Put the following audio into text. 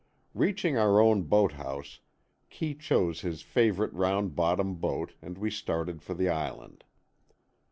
Reaching our own boathouse, Kee chose his favourite round bottomed boat and we started for the Island.